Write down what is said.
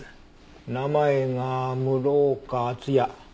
名前が「室岡厚也」。